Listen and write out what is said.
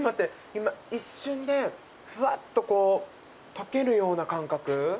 今一瞬でフワッとこう溶けるような感覚。